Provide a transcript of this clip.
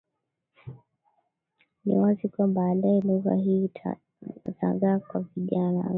Ni wazi kuwa baadaye lugha hii itazagaa kwa vijana wengi